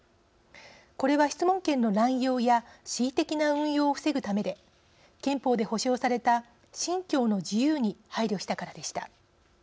これは質問権の乱用や恣意的な運用を防ぐためで憲法で保障された信教の自由に配慮したからでした。